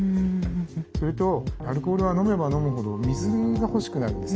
それとアルコールは飲めば飲むほど水が欲しくなるんですね。